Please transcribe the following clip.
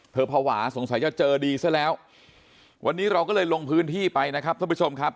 ภาวะสงสัยจะเจอดีซะแล้ววันนี้เราก็เลยลงพื้นที่ไปนะครับท่านผู้ชมครับ